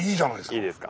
いいですか？